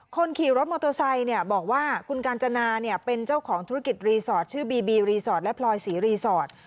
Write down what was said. คนขี่รถมอเตอร์ไซค์บอกว่าคุณกาญจนาเป็นเจ้าของธุรกิจรีสอร์ทชื่อบีบีรีสอร์ทและพลอยศรีรีสอร์ท